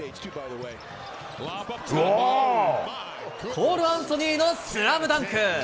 コール・アンソニーのスラムダンク。